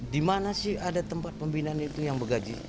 di mana sih ada tempat pembinaan itu yang bergaji